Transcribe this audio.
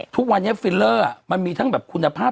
ทุกวันนี้ฟิลเลอร์มันมีทั้งแบบคุณภาพ